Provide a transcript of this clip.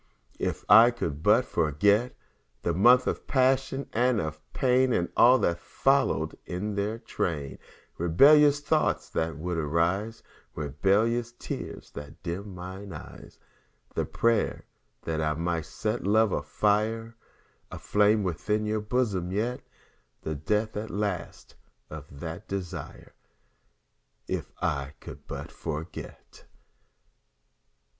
If I could but forget The months of passion and of pain, And all that followed in their train Rebellious thoughts that would arise, Rebellious tears that dimmed mine eyes, The prayers that I might set love's fire Aflame within your bosom yet The death at last of that desire If I could but forget.